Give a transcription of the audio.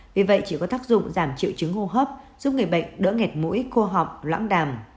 vì vậy chỉ có tác dụng giảm triệu chứng hô hấp giúp người bệnh đỡ nghẹt mũi cô họng lãng đàm